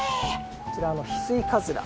こちらはヒスイカズラ。